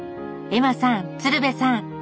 エマさん鶴瓶さん